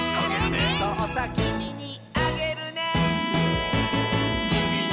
「そうさきみにあげるね」